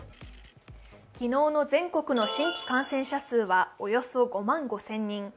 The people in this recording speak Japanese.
昨日の全国の新規感染者数は、およそ５万５０００人。